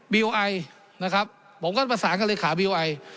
ไอนะครับผมก็ประสานกับเลขาบีลไอ